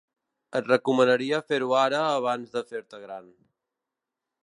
Et recomanaria fer-ho ara abans de fer-te gran.